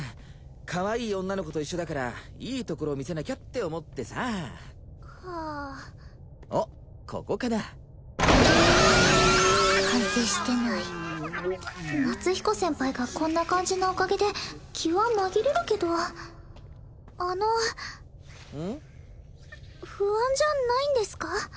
カワイイ女の子と一緒だからいいところを見せなきゃって思ってさはあおっここかなキャーッ反省してない夏彦先輩がこんな感じなおかげで気は紛れるけどあのうん？不安じゃないんですか？